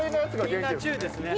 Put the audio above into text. みんな中ですね。